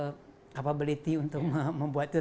saya punya capability untuk membuat itu